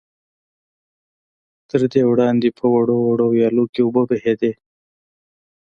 تر دې وړاندې په وړو وړو ويالو کې اوبه بهېدې.